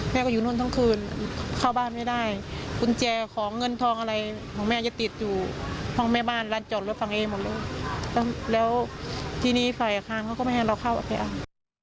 แล้วที่นี่ฝ่ายอารยากฆ์เขาก็ไม่ให้เราเข้ากับแผง